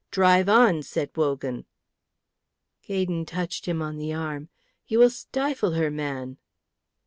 "Drive on," said Wogan. Gaydon touched him on the arm. "You will stifle her, man."